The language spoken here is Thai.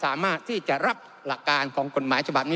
สามารถที่จะรับหลักการของกฎหมายฉบับนี้